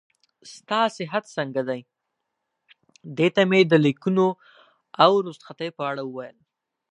ستا صحت څنګه دی؟ دې ته مې د لیکونو او رخصتۍ په اړه وویل.